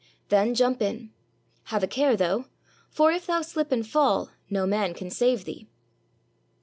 Then jump in. Have a care, though; for if thou slip and fall, no man can save thee.